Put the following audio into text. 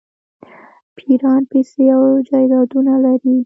پیران پیسې او جایدادونه لري.